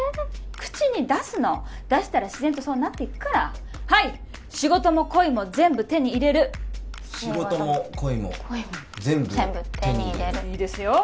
口に出すの出したら自然とそうなってくからはい仕事も恋も全部手に入れる仕事も恋も全部手に入れる仕事も恋も全部手に入れるいいですよ